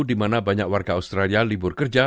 di mana banyak warga australia libur kerja